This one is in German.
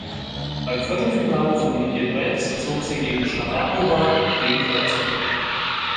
Beim Viertelfinale von Indian Wells zog sie gegen Scharapowa den Kürzeren.